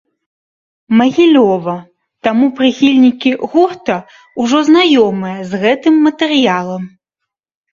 Магілёва, таму прыхільнікі гурта ўжо знаёмыя з гэтым матэрыялам.